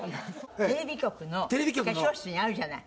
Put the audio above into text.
テレビ局の化粧室にあるじゃない。